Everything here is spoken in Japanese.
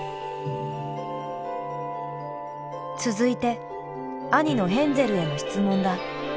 続いて兄のヘンゼルへの質問だ。